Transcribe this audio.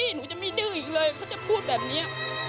หนูจะไม่ดื้ออีกเลยเขาจะพูดแบบนี้